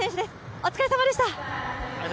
お疲れさまでした。